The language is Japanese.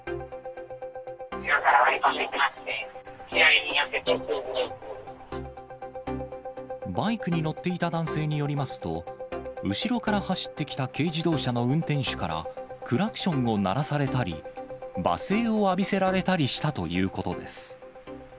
後ろから割り込んできまして、バイクに乗っていた男性によりますと、後ろから走ってきた軽自動車の運転手から、クラクションを鳴らされたり、罵声を浴びせられたりしたということです。